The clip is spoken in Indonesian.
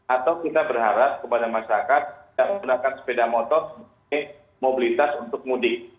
atau kita berharap kepada masyarakat yang menggunakan sepeda motor sebagai mobilitas untuk mudik